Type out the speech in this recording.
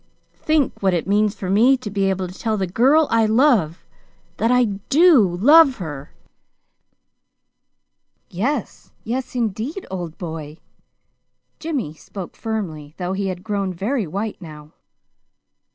Think what it means for me to be able to tell the girl I love that I DO love her." "Yes yes, indeed, old boy!" Jimmy spoke firmly, though he had grown very white now.